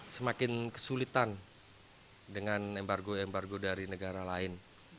semakin kesulitan dengan embargo embargo dari negara lain